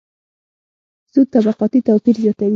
سود طبقاتي توپیر زیاتوي.